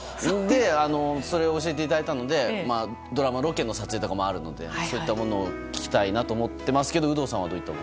それを教えていただいたのでドラマ、ロケの撮影とかでそういったものを聞きたいなと思ってますけど有働さんは、どういった？